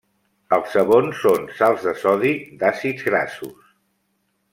Els sabons són sals de sodi d'àcids grassos.